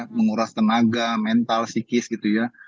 menguras tenaga mental psikis gitu ya